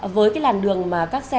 với cái làn đường mà các xe